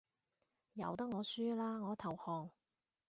由得我輸啦，我投降